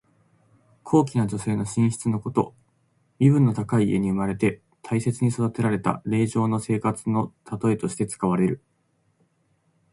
高貴な女性の寝室のこと。身分の高い家に生まれて大切に育てられた令嬢の生活のたとえとして使われる。